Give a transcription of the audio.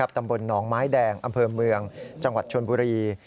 ตำบลหนองไม้แดงอำเภอเมืองจังหวัดชนบุรี